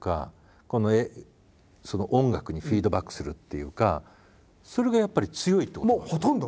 今度音楽にフィードバックするっていうかそれがやっぱり強いってこと？